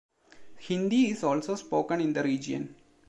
Hindi is also spoken in the region.